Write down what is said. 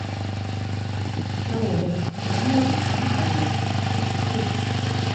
Freya rekket hieltyd mear behelle by wat der bart op it skip.